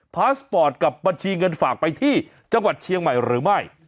พาสปอร์ตกับบัญชีเงินฝากไปที่จังหวัดเชียงใหม่หรือไม่